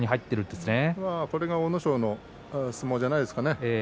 これが阿武咲の相撲じゃないですかね。